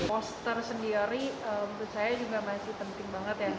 poster sendiri menurut saya juga masih penting banget ya